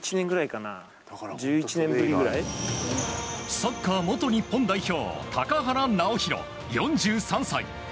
サッカー元日本代表高原直泰、４３歳。